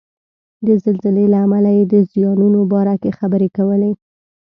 د زلزلې له امله یې د زیانونو باره کې خبرې کولې.